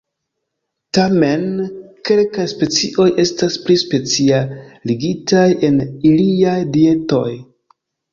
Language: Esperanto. Tamen, kelkaj specioj estas pli specialigitaj en iliaj dietoj.